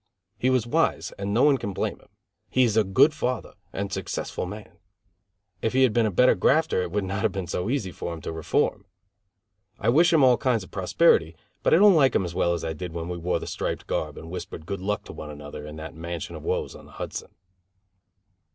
He was wise and no one can blame him. He is a good father and a successful man. If he had been a better grafter it would not have been so easy for him to reform. I wish him all kinds of prosperity, but I don't like him as well as I did when we wore the striped garb and whispered good luck to one another in that mansion of woes on the Hudson.